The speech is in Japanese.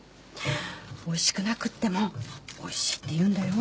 おいしくなくても「おいしい」って言うんだよ。